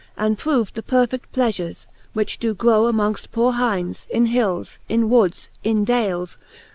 And prov'd the perfed: pleafures, which doe grow Amongft poor hyndes, in hils, in woods, in dales